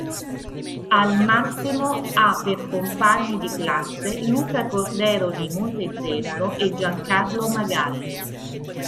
Al Massimo ha per compagni di classe Luca Cordero di Montezemolo e Giancarlo Magalli.